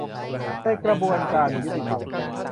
ในกระบวนการยุติธรรม